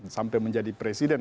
sampai menjadi presiden